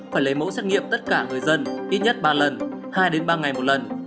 phải lấy mẫu xét nghiệm tất cả người dân ít nhất ba lần hai đến ba ngày một lần